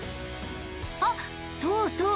あっそうそう。